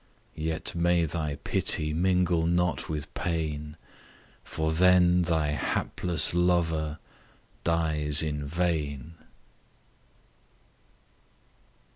Yet may thy pity mingle not with pain, For then thy hapless lover dies in vain!